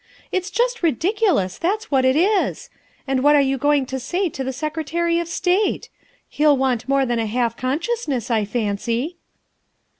It's just ridiculous, that's what it is. And what are you going to say to the Secretary of State? He'll want more than a half consciousness, I fancy."